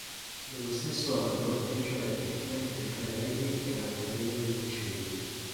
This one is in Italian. Nello stesso anno ricevette il premio Feltrinelli dell'Accademia dei Lincei.